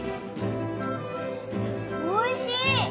おいしい！